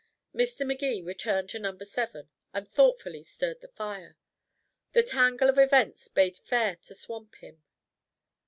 Mr. Magee returned to number seven, and thoughtfully stirred the fire. The tangle of events bade fair to swamp him.